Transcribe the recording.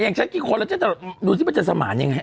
แม่งใช้กี่คนแล้วจะดูสิว่าจะสมานยังไง